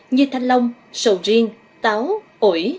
như thanh long sầu riêng táo ổi